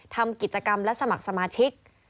ทำกิจกรรมและสมัครสมาชิก